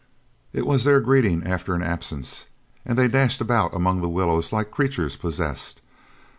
It was their greeting after an absence, and they dashed about among the willows like creatures possessed.